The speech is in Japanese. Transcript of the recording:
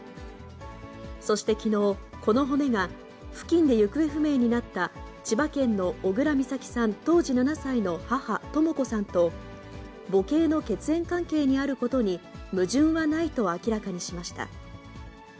そしてきのう、この骨が付近で行方不明になった千葉県の小倉美咲さん当時７歳の母、とも子さんと、母系の血縁関係にあることに矛盾はないと明らかにしました。